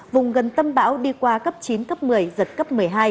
vùng gần tâm bão đi qua cấp chín cấp một mươi giật cấp một mươi hai